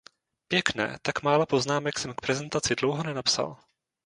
Pěkné, tak málo poznámek jsem k prezentaci dlouho nenapsal.